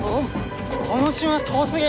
この島遠すぎ。